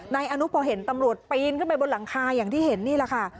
นายอนุพอเห็นตำรวจปีนขึ้นไปบนหลังคาอย่างที่เห็นนี่แหละค่ะ